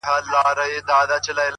o او د خپل زړه په تصور كي مي.